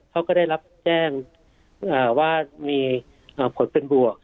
เขาก็ได้รับแจ้งว่ามีผลเป็นบวก